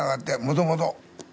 もともと。